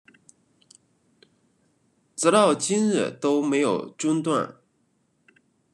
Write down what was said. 直到今日都没有中断